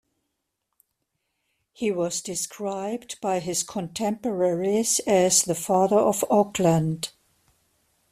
He was described by his contemporaries as "the father of Auckland".